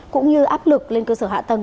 cũng như áp lực lên cơ sở hạ tầng